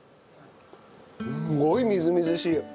すごいみずみずしい。